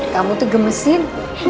kamu tuh gemesin